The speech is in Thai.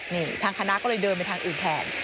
นี่ทางคณะก็เลยเดินไปทางอื่นแทน